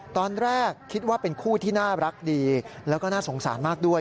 ตอนแรกคิดว่าเป็นคู่ที่น่ารักดีแล้วก็น่าสงสารมากด้วย